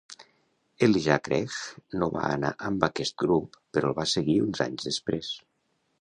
Elijah Craig no va anar amb aquest grup però el va seguir uns anys després.